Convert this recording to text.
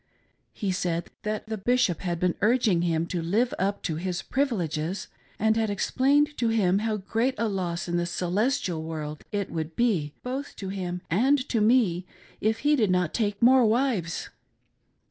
He said that the Bishop had been urging him to live up to his privileges, and had explained to him liow great a loss in the celestial "vmrld it would be, both to him and to me, if he did not take more wives.